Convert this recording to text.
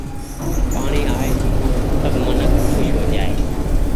پآڻيٚ آئي سون سب منک کوس هو جآئي ۔